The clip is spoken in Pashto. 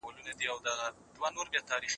تر ټولو لویه ویره د مرګ ویره ده.